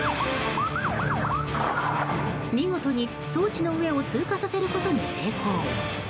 見事に、装置の上を通過させることに成功。